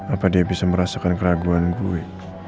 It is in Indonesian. apa dia bisa merasakan keraguan gue